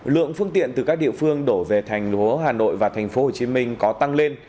lượng phương tiện từ các địa phương đổ về thành phố hà nội và thành phố hồ chí minh có tăng lên